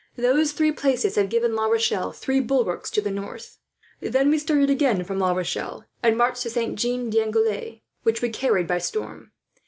Those three places have given La Rochelle three bulwarks to the north. "Then we started again from La Rochelle, and marched to Saint Jean d'Angely, which we carried by storm.